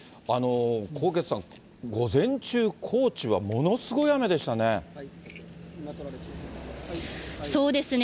纐纈さん、午前中、高知はものすごい雨でしたね。